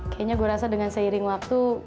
kayaknya gue rasa dengan seiring waktu